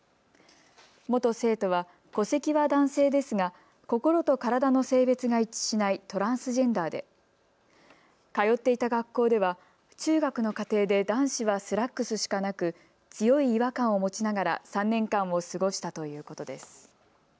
元生徒は戸籍は男性ですが心と体の性別が一致しないトランスジェンダーで通っていた学校では中学の課程で男子はスラックスしかなく強い違和感を持ちながら３年間を過ごしたということです。